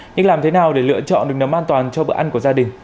nhưng làm thế nào để lựa chọn được nấm an toàn cho bữa ăn của gia đình